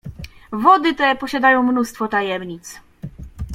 "Wody te posiadają mnóstwo tajemnic."